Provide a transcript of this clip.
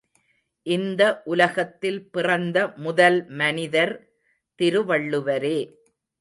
இந்த உலகத்தில் பிறந்த முதல் மனிதர் திருவள்ளுவரே.